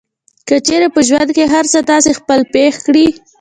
که چېرې په ژوند کې هر څه تاسې خپله پېښ کړئ.